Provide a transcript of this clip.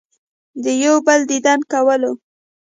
د يو بل ديدن کولو